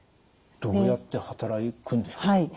どうやって働くんですか？